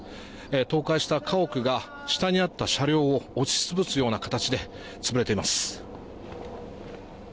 倒壊した家屋が下にあった車両を押し潰すような形で潰れています。